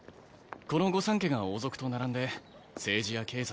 この御三家が王族と並んで政治や経済